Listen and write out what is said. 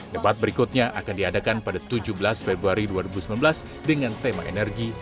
debat berikutnya akan diadakan pada tujuh belas februari dua ribu sembilan belas dengan tema energi